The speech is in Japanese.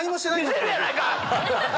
してるやないか！